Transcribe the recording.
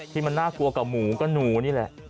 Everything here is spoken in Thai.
ที่มันน่ากลัวกับหมูก็หนูนี่แหละ